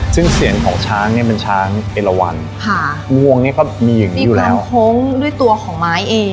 ซึ่งเสียงของช้างเนี่ยเป็นช้างเอลวันงวงเนี่ยก็มีอยู่แล้วดิบกลางพงด้วยตัวของไม้เอง